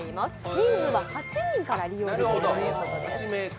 人数は８人から利用できるということです。